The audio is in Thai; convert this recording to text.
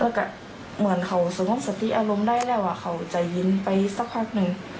แล้วก็เหมือนเขาสงบสติอารมณ์ได้แล้วเขาใจเย็นไปสักพักหนึ่ง